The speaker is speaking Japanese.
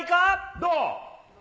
どう？